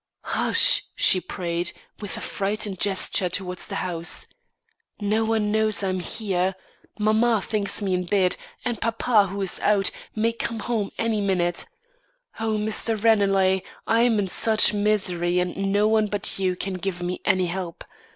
"Hush!" she prayed, with a frightened gesture towards the house. "No one knows I am here. Mamma thinks me in bed, and papa, who is out, may come home any minute. Oh, Mr. Ranelagh, I'm in such misery and no one but you can give me any help.